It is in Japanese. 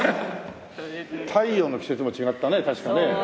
『太陽の季節』も違ったね確かね。